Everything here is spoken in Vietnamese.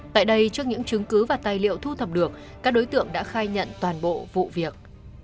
tại đây trước những chứng cứ và tài liệu thu thập được các đối tượng đã khai nhận toàn bộ vụ việc